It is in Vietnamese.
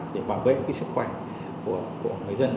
để bảo vệ cái sức khỏe của người dân